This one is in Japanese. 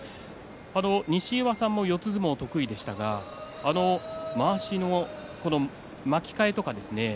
西岩さんも四つ相撲を得意でしたが巻き替えるとこですね